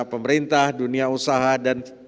pemerintah dunia usaha dan